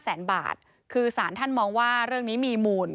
แสนบาทคือสารท่านมองว่าเรื่องนี้มีมูล